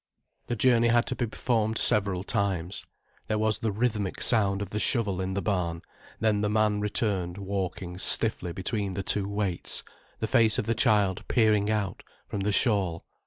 The journey had to be performed several times. There was the rhythmic sound of the shovel in the barn, then the man returned walking stiffly between the two weights, the face of the child peering out from the shawl.